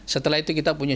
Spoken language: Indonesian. setelah itu kita punya